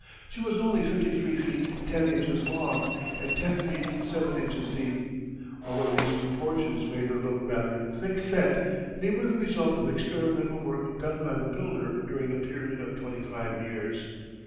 She was only fifty three feet ten inches long, and ten feet seven inches deep. Although these proportions made her look rather thickset, they were the result of experimental work done by the builder during a period of twenty five years.